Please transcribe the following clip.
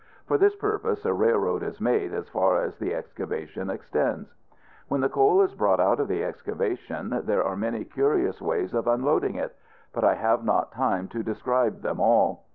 For this purpose a railroad is made, as far as the excavation extends. When the coal is brought out of the excavation, there are many curious ways of unloading it; but I have not time to describe them all.